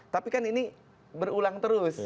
tapi kan ini berulang terus